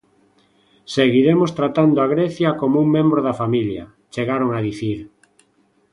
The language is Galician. "Seguiremos tratando a Grecia como un membro da familia", chegaron a dicir.